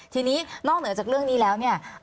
ทีนี้นอกเหนือจากเรื่องนี้แล้วเนี่ย